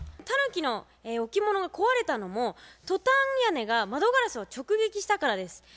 たぬきの置物が壊れたのもトタン屋根が窓ガラスを直撃したからです。